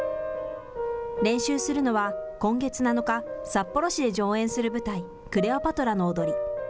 練習するのは今月７日、札幌市で上演する舞台、クレオパトラの踊り。